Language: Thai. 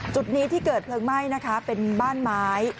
จุดนี้ที่เกิดเพลิงไหม้นะคะเป็นบ้านไม้